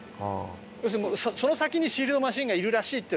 要するにその先にシールドマシンがいるらしいってのはわかるけど。